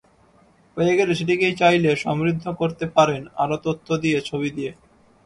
পেয়ে গেলে সেটিকেই চাইলে সমৃদ্ধ করতে পারেন আরও তথ্য দিয়ে, ছবি দিয়ে।